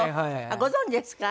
ご存じですか？